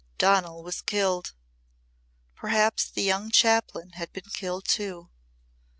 Donal was killed! Perhaps the young chaplain had been killed too.